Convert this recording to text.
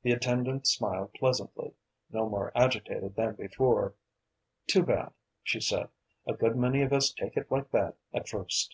The attendant smiled pleasantly, no more agitated than before. "Too bad," she said; "a good many of us take it like that at first."